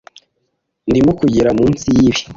Ndimo kugera munsi yibi